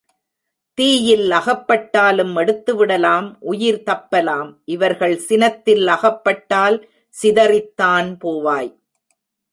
தீயில் அகப்பட்டாலும் எடுத்துவிடலாம் உயிர் தப்பலாம் இவர்கள் சினத்தில் அகப்பட்டால் சிதறித்தான் போவாய்.